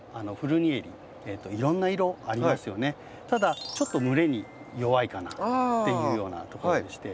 ただちょっと蒸れに弱いかなっていうようなところでして。